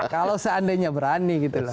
kalau seandainya berani gitu loh